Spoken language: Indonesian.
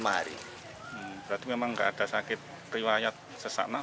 berarti memang nggak ada sakit riwayat sesana